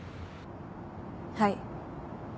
はい。